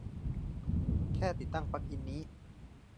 แค่ติดตั้งปลั๊กอินนี้